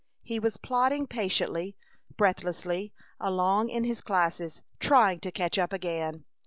He was plodding patiently, breathlessly along in his classes, trying to catch up again.